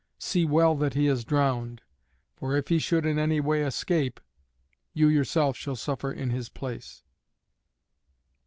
See well that he is drowned, for if he should in any way escape, you yourself shall suffer in his place."